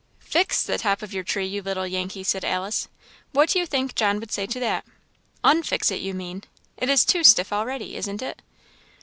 "Fix the top of your tree, you little Yankee!" said Alice; "what do you think John would say to that? _un_fix it, you mean; it is too stiff already, isn't it?"